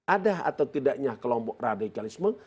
ada atau tidaknya kelompok radikalisme